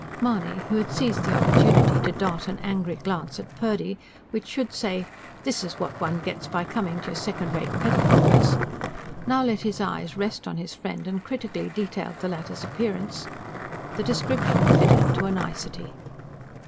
Mahony, who had seized the opportunity to dart an angry glance at Purdy, which should say: "This is what one gets by coming to your second rate pettifoggers!" now let his eyes rest on his friend and critically detailed the latter's appearance. The description fitted to a nicety.